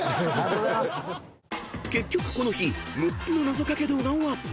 ［結局この日６つのなぞかけ動画をアップ］